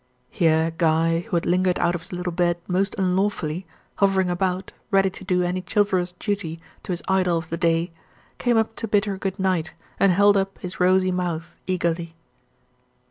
Here Guy, who had lingered out of his little bed most unlawfully hovering about, ready to do any chivalrous duty to his idol of the day came up to bid her good night, and held up his rosy mouth, eagerly.